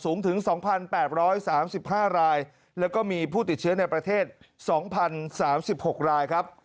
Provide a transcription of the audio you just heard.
สูงถึงสองพันแปบร้อยสามสิบห้ารายแล้วก็มีผู้ติดเชื้อในประเทศสองพันสามสิบหกรายครับ